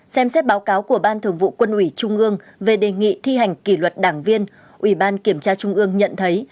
xem xét báo cáo của ban thường vụ quân ủy trung ương về đề nghị thi hành kỷ luật đảng viên ủy ban kiểm tra trung ương nhận thấy